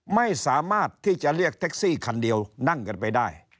ไม่สามารถที่จะเรียกแท็กซี่คันเดียวนั่งกันไปได้